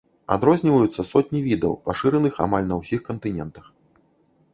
Адрозніваюцца сотні відаў, пашыраных амаль на ўсіх кантынентах.